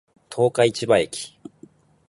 十日市場駅